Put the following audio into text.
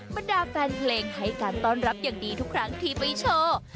บรรดาแฟนเพลงให้การต้อนรับอย่างดีทุกครั้งที่ไปโชว์